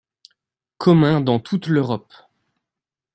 Commun dans toute l'Europe.